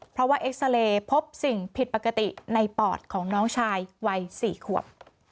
เพราะว่าเอ็กซาเรย์พบสิ่งผิดปกติในปอดของน้องชายวัย๔ขวบ